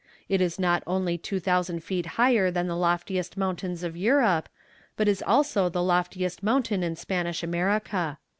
It is not only 2000 feet higher than the loftiest mountains of Europe, but is also the loftiest mountain in Spanish America."